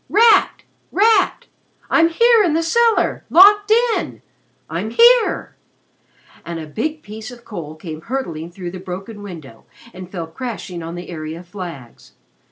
"Rat! Rat! I'm here in the cellar locked in. I'm here!" and a big piece of coal came hurtling through the broken window and fell crashing on the area flags.